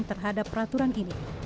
terhadap peraturan ini